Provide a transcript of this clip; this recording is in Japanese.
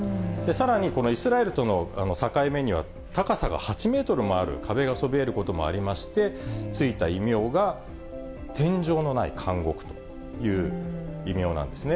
さらに、このイスラエルとの境目には高さが８メートルもある壁がそびえることもありまして、付いた異名が天井のない監獄という異名なんですね。